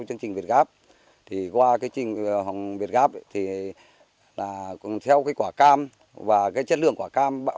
trình việt gáp qua trình việt gáp theo quả cam và chất lượng quả cam